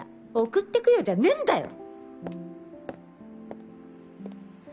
「送ってくよ」じゃねえんだよ！